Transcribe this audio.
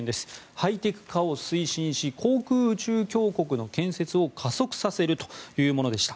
ハイテク化を推進し航空宇宙強国の建設を加速させるというものでした。